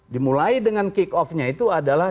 dimulai dengan kick off nya itu adalah